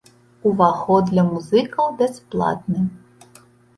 Уваход для музыкаў бясплатны.